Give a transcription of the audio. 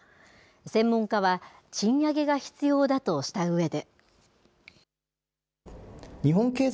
専門家は、賃上げが必要だとしたうえで。